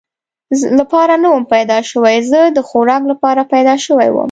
لپاره نه ووم پیدا شوی، زه د خوراک لپاره پیدا شوی ووم.